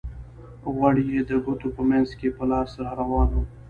غوړ یې د ګوتو په منځ کې په لاس را روان وو.